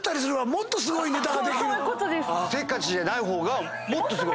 せっかちじゃない方がもっとすごい。